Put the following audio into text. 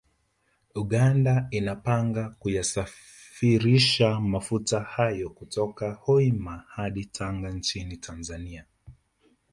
Uganda inapanga kuyasafirisha mafuta hayo kutoka Hoima hadi Tanga nchini Tanzania